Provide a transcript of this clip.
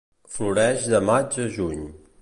Floreix de maig a juny.